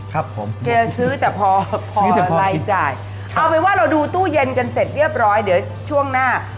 ครับผมแกซื้อแต่พอพอรายจ่ายเอาเป็นว่าเราดูตู้เย็นกันเสร็จเรียบร้อยเดี๋ยวช่วงหน้า